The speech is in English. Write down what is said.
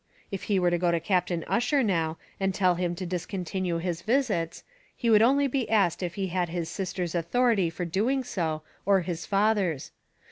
if he were to go to Captain Ussher now, and tell him to discontinue his visits, he would only be asked if he had his sister's authority for doing so, or his father's.